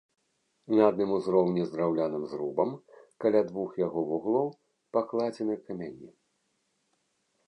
На адным узроўні з драўляным зрубам каля двух яго вуглоў пакладзены камяні.